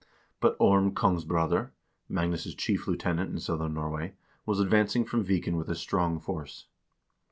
But Orm Kongsbroder, Magnus' chief lieutenant in southern Norway, was advancing from Viken with a strong force.